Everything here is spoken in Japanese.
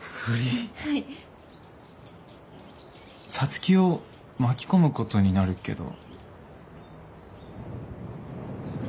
皐月を巻き込むことになるけど。